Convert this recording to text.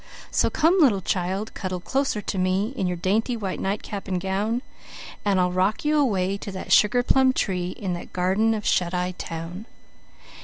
So come, little child, cuddle closer to me In your dainty white nightcap and gown, And I'll rock you away to the Sugar Plum Tree In the garden of Shut Eye Town.